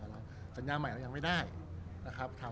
รูปนั้นผมก็เป็นคนถ่ายเองเคลียร์กับเรา